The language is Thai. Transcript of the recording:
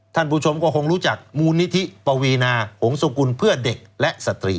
ท่านผู้ชมก็คงรู้จักมูลนิธิปวีนาหงศกุลเพื่อเด็กและสตรี